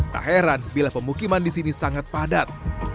tak heran bila pemukiman di sini sangat padat